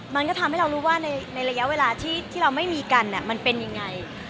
มันก็ทำให้เรารู้ว่าในระยะเวลาที่เราไม่มีกันมันเป็นยังไง